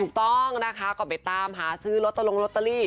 ถูกต้องนะคะก็ไปตามหาซื้อลอตลงลอตเตอรี่